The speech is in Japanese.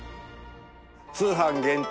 通販限定